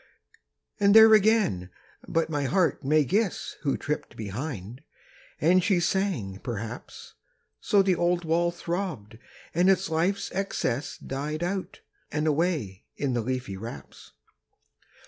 And there again! But my heart may guess Who tripped behind; and she sang, perhaps: So the old wall throbbed, and its life's excess Died out and away in the leafy wraps.